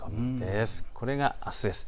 これがあすです。